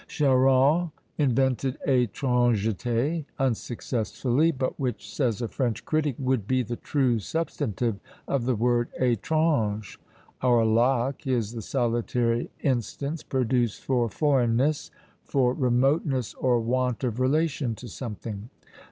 Charron invented étrangeté unsuccessfully, but which, says a French critic, would be the true substantive of the word étrange; our Locke is the solitary instance produced for "foreignness" for "remoteness or want of relation to something."